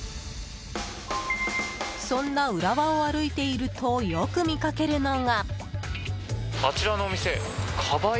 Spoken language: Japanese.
そんな浦和を歩いているとよく見かけるのが。